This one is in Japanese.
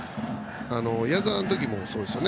矢澤の時もそうでしたよね。